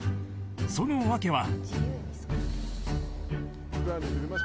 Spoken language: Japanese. その訳は。